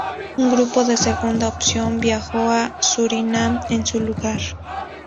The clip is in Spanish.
Un grupo de "segunda opción" viajó a Surinam en su lugar.